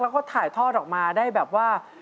แล้วก็ถ่ายทอดออกมาได้แบบว่า